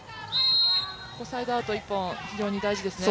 サイドアウト１本、非常に大事ですね。